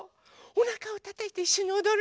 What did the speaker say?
おなかをたたいていっしょにおどるの？